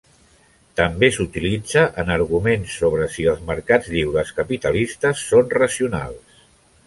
També s'utilitza en arguments sobre si els mercats lliures capitalistes són racionals.